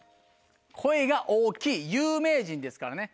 声が大きい有名人ですからね。